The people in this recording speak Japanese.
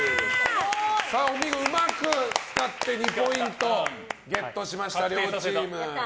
うまく使って２ポイントゲットしました、両チーム。